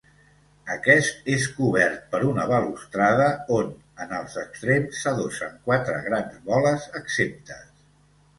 Aquest és cobert per una balustrada on en els extrems s'adossen quatre grans boles exemptes.